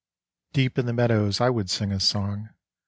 Deep in the meadows I would sing a song.